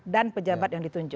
dan pejabat yang ditunjukkan